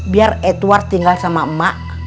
biar edward tinggal sama emak